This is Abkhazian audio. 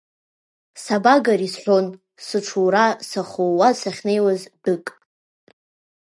Сабагари, – сҳәон, сыҽура, сахыууаа сахьнеиуаз дәык.